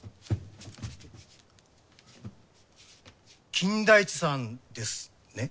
金田一さんですね？